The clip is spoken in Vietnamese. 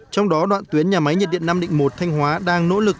trong đó đoạn tuyến nhà máy nhiệt điện năm định một thanh hóa đang nỗ lực